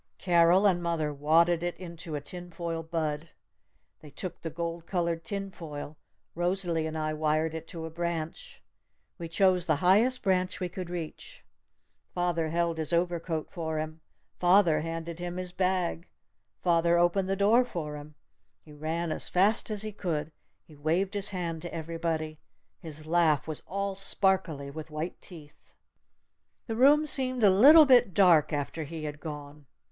Carol and mother wadded it into a tin foil bud! They took the gold colored tin foil! Rosalee and I wired it to a branch! We chose the highest branch we could reach! Father held his overcoat for him! Father handed him his bag! Father opened the door for him! He ran as fast as he could! He waved his hand to everybody! His laugh was all sparkly with white teeth! The room seemed a little bit dark after he had gone.